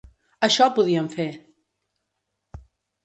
Això podíem fer!